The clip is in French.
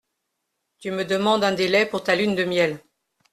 Tu me demandes un délai pour ta lune de miel.